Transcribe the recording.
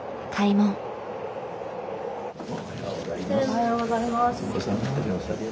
おはようございます。